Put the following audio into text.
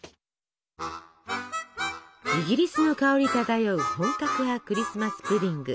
イギリスの香り漂う本格派クリスマス・プディング。